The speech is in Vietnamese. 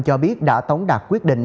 cho biết đã tống đạt quyết định